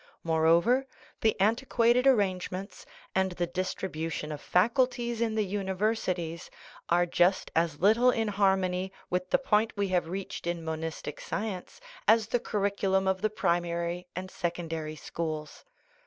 Moreover, the antiquated arrangements and the distribution of faculties in the universities are just as little in harmony with the point we have reached in monistic science as the curriculum of the primary and secondary schools.